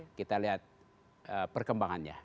jadi kita lihat perkembangannya